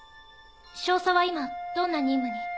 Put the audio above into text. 少佐は今どんな任務に？